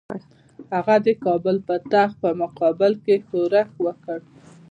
هغه د کابل د تخت په مقابل کې ښورښ وکړ.